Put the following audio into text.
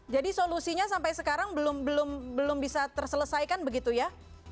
jadi solusinya sampai sekarang belum bisa terselesaikan begitu ya